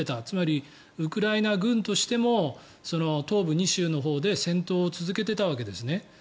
つまり、ウクライナ軍としても東部２州のほうで戦闘を続けていたわけですね。